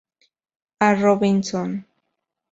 A. Robinson.